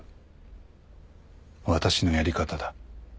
私のやり方だ。